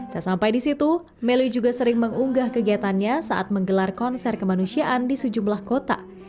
tak sampai di situ melly juga sering mengunggah kegiatannya saat menggelar konser kemanusiaan di sejumlah kota